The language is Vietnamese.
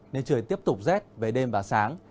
nên trời tiếp tục rét về đêm và sáng